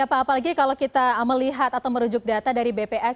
apalagi kalau kita melihat atau merujuk data dari bps